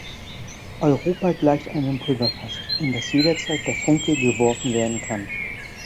Europa gleicht einem Pulverfass, in das jederzeit der Funke geworfen werden kann.